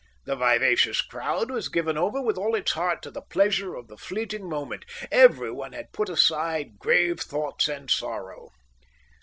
The vivacious crowd was given over with all its heart to the pleasure of the fleeting moment. Everyone had put aside grave thoughts and sorrow.